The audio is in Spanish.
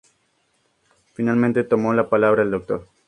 Finalmente tomo la palabra el Dr.